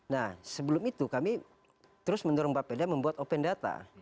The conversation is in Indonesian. nah sebelum itu kami terus mendorong pak peda membuat open data